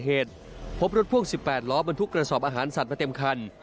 เหตุพบรถพ่วง๑๘ล้อบรรทุกกระสอบอาหารสัตว์มาเต็มคัน